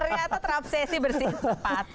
ternyata terobsesi bersih sepatu